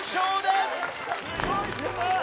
すごいすごい！